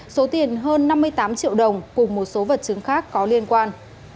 số tiền hơn năm mươi tám triệu đồng cùng một số vật chứng khác có liên quan